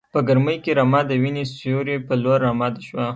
په ګرمۍ کې رمه د وینې سیوري په لور راماته شوه.